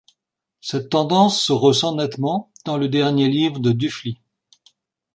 Cette tendance se ressent nettement dans le dernier livre de Duphly.